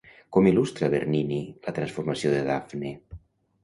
Com il·lustra Bernini la transformació de Dafne?